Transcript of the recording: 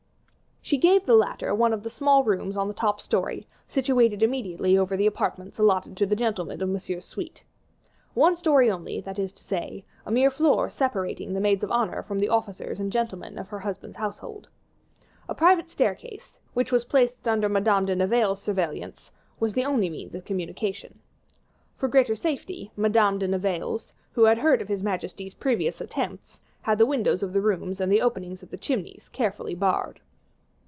She gave the latter one of the small rooms on the top story, situated immediately over the apartments allotted to the gentlemen of Monsieur's suite. One story only, that is to say, a mere flooring separated the maids of honor from the officers and gentlemen of her husband's household. A private staircase, which was placed under Madame de Navailles's surveillance, was the only means of communication. For greater safety, Madame de Navailles, who had heard of his majesty's previous attempts, had the windows of the rooms and the openings of the chimneys carefully barred.